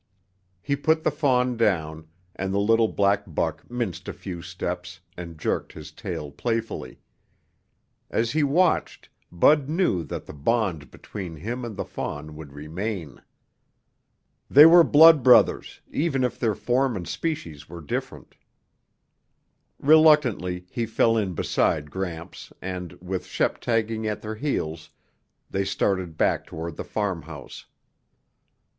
He put the fawn down, and the little black buck minced a few steps and jerked his tail playfully. As he watched, Bud knew that the bond between him and the fawn would remain. They were blood brothers even if their form and species were different. Reluctantly he fell in beside Gramps and, with Shep tagging at their heels, they started back toward the farmhouse.